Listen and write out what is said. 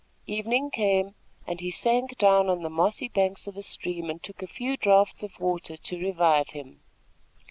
Evening came, and he sank down on the mossy banks of a stream and took a few draughts of water to revive him.